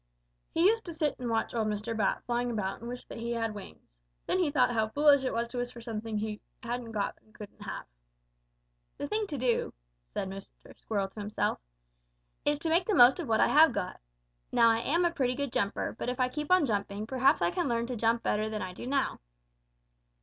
He used to sit and watch old Mr. Bat flying about and wish that he had wings. Then he thought how foolish it was to wish for something he hadn't got and couldn't have. "'The thing to do,' said little Mr. Squirrel to himself, 'is to make the most of what I have got. Now I am a pretty good jumper, but if I keep jumping, perhaps I can learn to jump better than I do now.'